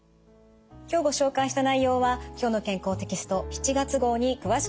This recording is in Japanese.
今日ご紹介した内容は「きょうの健康」テキスト７月号に詳しく掲載されています。